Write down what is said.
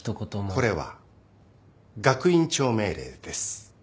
これは学院長命令です。